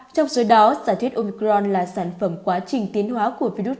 trong số đó giả thuyết omcron là sản phẩm quá trình tiến hóa của virus